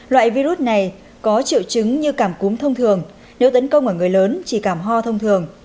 loại virus này có triệu chứng như cảm cúm thông thường nếu tấn công ở người lớn chỉ cảm ho thông thường